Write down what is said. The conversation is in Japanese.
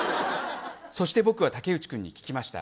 そして僕は武内君に聞きました。